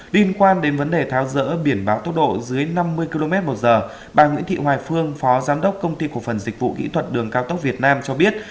liên quan đến vấn đề tháo rỡ biển báo tốc độ dưới năm mươi km một giờ bà nguyễn thị hoài phương phó giám đốc công ty cổ phần dịch vụ kỹ thuật đường cao tốc việt nam cho biết